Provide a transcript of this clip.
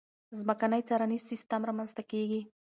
ځمکنی څارنیز سیستم رامنځته کېږي.